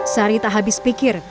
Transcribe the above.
sari tak habis pikir